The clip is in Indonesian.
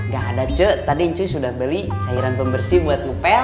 gak ada ce tadi cuy sudah beli sayuran pembersih buat kupel